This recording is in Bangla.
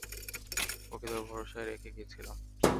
ওকে তোর ভরসায় রেখে গিয়েছিলাম।